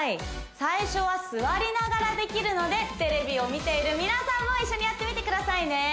最初は座りながらできるのでテレビを見ている皆さんも一緒にやってみてくださいね